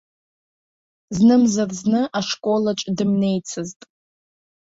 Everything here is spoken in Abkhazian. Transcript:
Знымзар-зны ашколаҿ дымнеицызт.